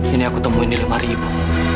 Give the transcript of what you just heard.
ini aku temuin di lemari ibu